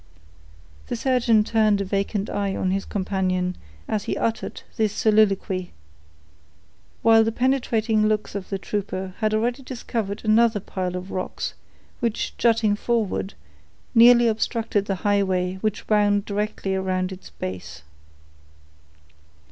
The surgeon turned a vacant eye on his companion as he uttered this soliloquy, while the penetrating looks of the trooper had already discovered another pile of rocks, which, jutting forward, nearly obstructed the highway that wound directly around its base.